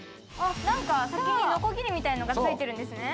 なんか先にノコギリみたいなのがついてるんですね。